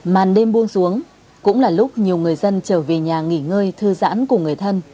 màn đêm buông xuống cũng là lúc nhiều người dân trở về nhà nghỉ ngơi thư giãn cùng người thân